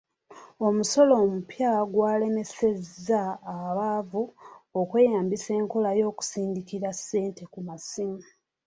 Omusolo omupya gwalemesezza abaavu okweyambisa enkola y'okusindikira ssente ku masimu.